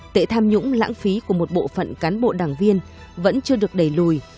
tệ tham nhũng lãng phí của một bộ phận cán bộ đảng viên vẫn chưa được đẩy lùi